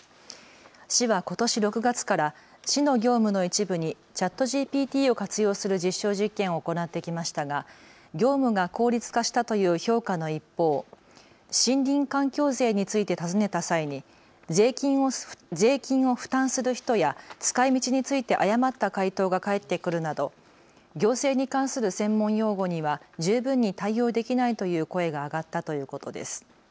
市はことし６月から市の業務の一部にＣｈａｔＧＰＴを活用する実証実験を行ってきましたが業務が効率化したという評価の一方、森林環境税について尋ねた際に税金を負担する人や使いみちについて誤った回答が返ってくるなど、行政に関する専門用語には十分に対応できないという声が上がったということです。